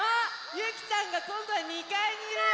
ゆきちゃんがこんどは２かいにいるよ！